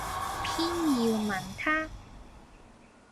偏要問他。